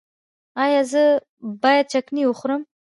ایا زه باید چکنی وخورم؟